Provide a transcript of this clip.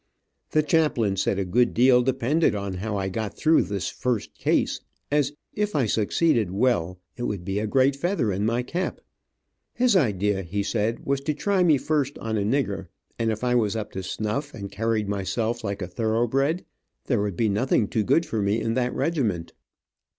The chaplain said a good deal depended on how I got through this first case, as if I succeeded well, it would be a great feather in my cap. His idea, he said, was to try me first on a nigger, and if I was up to snuff, and carried myself like a thoroughbred, there would be nothing too good for me in that regiment.